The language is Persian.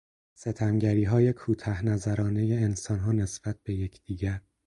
ستمگریهای کوته نظرانهی انسانها نسبت به یکدیگر